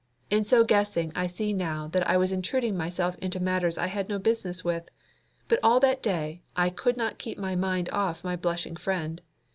In so guessing I see now that I was intruding myself into matters I had no business with; but all that day I could not keep my mind off my blushing friend.